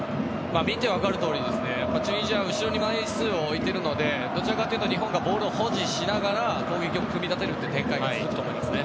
見て分かるとおりチュニジアは後ろに枚数を置いているのでどちらかというと日本がボールを保持しながら攻撃を組み立てる展開が続くと思います。